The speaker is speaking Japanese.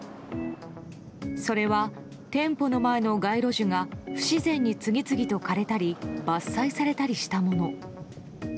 それは、店舗の前の街路樹が不自然に次々と枯れたり伐採されたりしたもの。